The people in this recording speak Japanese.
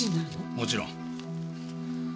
もちろん。